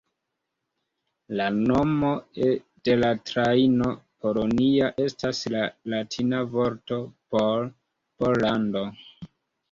La nomo de la trajno, "Polonia", estas la latina vorto por "Pollando".